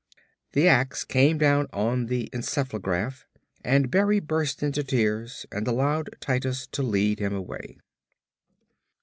The ax came down on the encephalograph and Berry burst into tears and allowed Titus to lead him away.